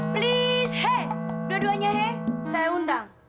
please hei dua duanya hei saya undang